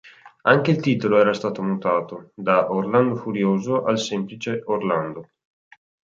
Anche il titolo era stato mutato, da "Orlando Furioso" al semplice "Orlando".